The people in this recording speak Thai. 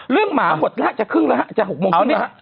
เรื่องหมาหวดละจะหกโมงหรือหนึ่งหรือ